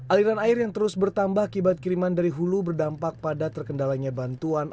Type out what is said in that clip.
aliran air yang terus bertambah akibat kiriman dari hulu berdampak pada terkendalanya bantuan